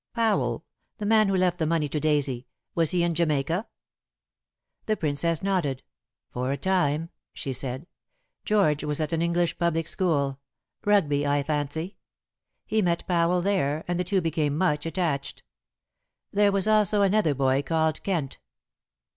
"Powell! The man who left the money to Daisy? Was he in Jamaica?" The Princess nodded. "For a time," she said, "George was at an English public school Rugby, I fancy. He met Powell there, and the two became much attached. There was also another boy called Kent."